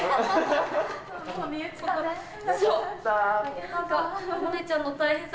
そう。